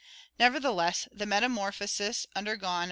Nevertheless the metamorphosis undergone by the Fig.